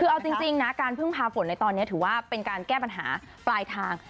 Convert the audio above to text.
คือเอาจริงนะการพึ่งพาฝนในตอนนี้ถือว่าเป็นการแก้ปัญหาปลายทาง